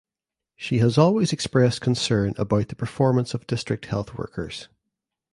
She has always expressed concern about the performance of district health workers.